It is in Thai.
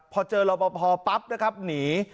พอเจอเราพอป๊าปนะครับหนี